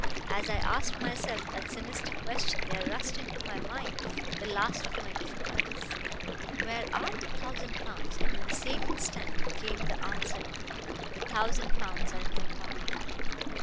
As I asked myself that sinister question there rushed into my mind the last of my difficulties: 'Where are the thousand pounds?' And in the same instant came the answer: 'The thousand pounds are in my pocket.'